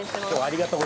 ありがとう。